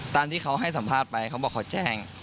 ตามที่เขาให้สัมภาษณ์ไปเขาบอกเขาแจ้ง